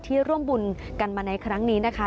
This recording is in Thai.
ร่วมบุญกันมาในครั้งนี้นะคะ